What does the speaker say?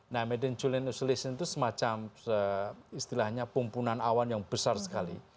nah madden julian oscillation itu semacam istilahnya pumpunan awan yang besar sekali